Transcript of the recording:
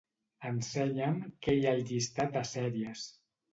Ensenya'm què hi ha al llistat de sèries.